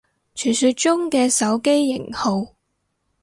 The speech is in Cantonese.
傳說中嘅手機型號